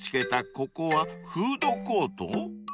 ここはフードコート？］